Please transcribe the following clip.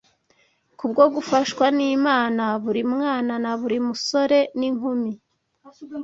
Kubwo gufashwa n’Imana, buri mwana na buri musore n’inkumi